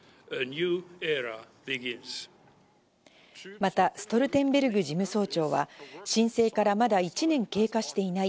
またストルテンベルグ事務総長は、申請からまだ１年経過していない。